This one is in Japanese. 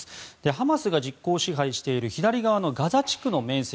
ハマスが実効支配している左側のガザ地区の面積